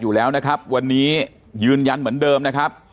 อยู่แล้วนะครับวันนี้ยืนยันเหมือนเดิมนะครับ